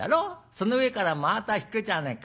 その上から真綿敷くじゃねえか。